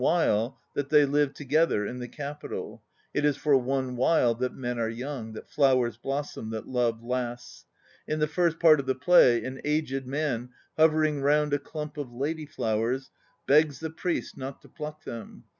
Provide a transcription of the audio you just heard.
while" that they lived together in the Capital; it is for "one while" that men are young, that flowers blossom, that love lasts. In the first art of the play an aged man hovering round a clump of lady flowers s the priest not to pluck them.